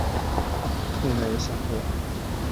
我没有想过